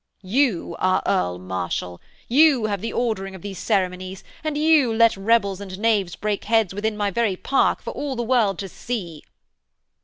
'You are Earl Marshal. You have the ordering of these ceremonies, and you let rebels and knaves break heads within my very park for all the world to see!'